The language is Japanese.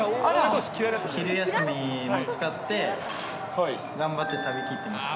昼休みも使って、頑張って食べきってました。